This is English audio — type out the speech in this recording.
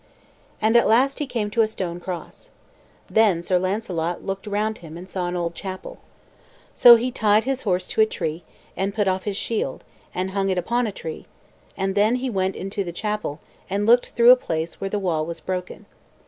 And at last he came to a stone cross. Then Sir Launcelot looked round him, and saw an old chapel. So he tied his horse to a tree, and put off his shield, and hung it upon a tree; and then he went into the chapel, and looked through a place where the wall was broken.